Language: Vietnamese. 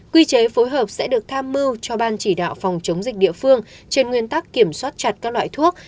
quy chế phối hợp sẽ được tham mưu cho ban chỉ đạo phòng chống dịch địa phương trên nguyên tắc kiểm soát chặt các loại thuốc